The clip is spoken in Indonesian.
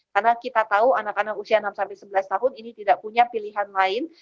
karena kita tahu anak anak usia enam sebelas tahun ini tidak punya pilihan lain